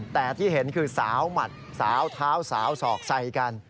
แต่ที่เห็นคือสาวหมัดสาวเท้าสาวสอกใส่กัน